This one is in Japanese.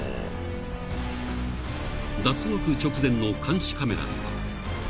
［脱獄直前の監視カメラには］